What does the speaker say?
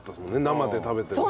生で食べても。